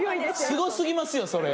すごすぎますよそれ。